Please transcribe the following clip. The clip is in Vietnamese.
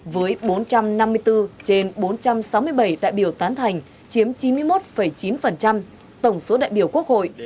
với bốn trăm năm mươi bốn trên bốn trăm sáu mươi bảy đại biểu tán thành chiếm chín mươi một chín tổng số đại biểu quốc hội